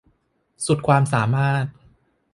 สุดความสามารถ